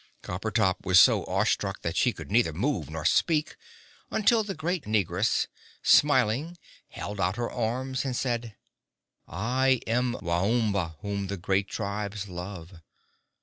Coppertop was so awestruck that she could neither move nor speak, until the great negress, smiling, held out her arms and said "I am Waomba, whom the great tribes love.